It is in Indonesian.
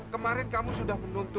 kemarin kamu sudah menuntut